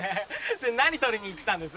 で何取りに行ってたんです？